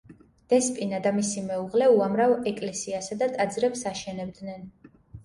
დესპინა და მისი მეუღლე, უამრავ ეკლესიასა და ტაძრებს აშენებდნენ.